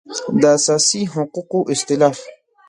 د اساسي حقوقو اصطلاح